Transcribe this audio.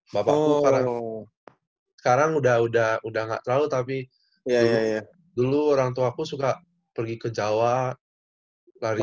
bapakku sekarang udah gak terlalu tapi dulu orang tuaku suka pergi ke jawa lari